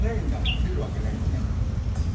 出るわけないよね。